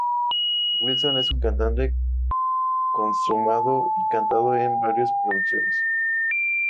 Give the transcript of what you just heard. Wilson es un cantante consumado y ha cantado en varias producciones.